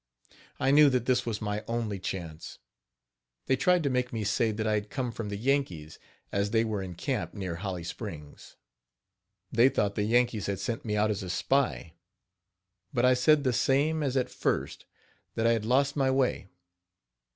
I knew that this was my only chance. They tried to make me say that I had come from the Yankees, as they were in camp near Holly Springs. They thought the Yankees had sent me out as a spy; but I said the same as at first that I had lost my way.